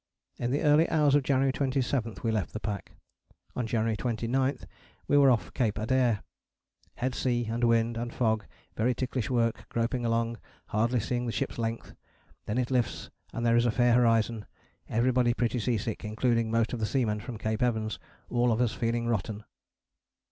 In the early hours of January 27 we left the pack. On January 29 we were off Cape Adare, "head sea, and wind, and fog, very ticklish work groping along hardly seeing the ship's length. Then it lifts and there is a fair horizon. Everybody pretty sea sick, including most of the seamen from Cape Evans. All of us feeling rotten."